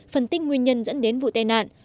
phân tích nguyên nhân dẫn đến vụ tai nạn